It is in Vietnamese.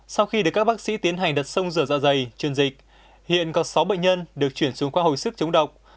sau khi được các bác sĩ tiến hành đặt sông rửa dạ dày truyền dịch hiện có sáu bệnh nhân được chuyển xuống khoa hồi sức chống độc